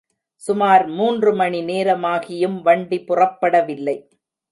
சுமார் மூன்று மணி நேரமாகியும் வண்டி புறப்படவில்லை.